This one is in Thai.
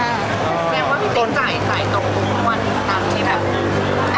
แม้ว่าติ๊กจ่ายใส่ตรงทุกวันตั้งที่แบบ